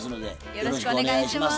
よろしくお願いします。